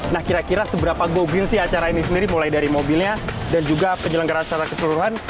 nah kira kira seberapa go green sih acara ini sendiri mulai dari mobilnya dan juga penyelenggara secara keseluruhan